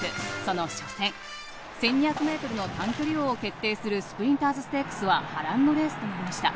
１２００ｍの短距離王を決定するスプリンターズステークスは波乱のレースとなりました。